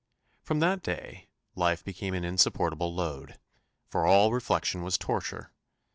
From that day, life became an insupportable load, for all reflection was torture!